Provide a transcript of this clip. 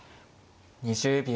２０秒。